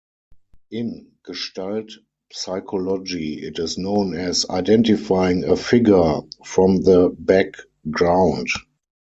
In Gestalt psychology it is known as identifying a "figure" from the back"ground".